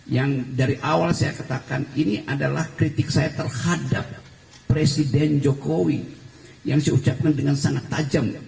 yang dari awal saya katakan ini adalah kritik saya terhadap presiden jokowi yang saya ucapkan dengan sangat tajam